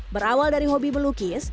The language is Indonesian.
berawal dari hobi melukis